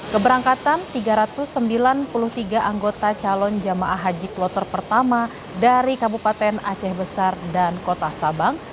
keberangkatan tiga ratus sembilan puluh tiga anggota calon jamaah haji kloter pertama dari kabupaten aceh besar dan kota sabang